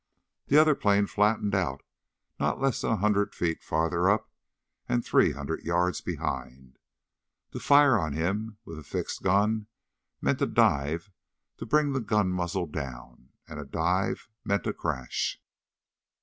That other plane flattened out not less than a hundred feet farther up and three hundred yards behind. To fire on him with a fixed gun meant a dive to bring the gun muzzle down. And a dive meant a crash.